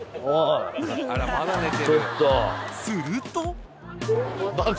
［すると］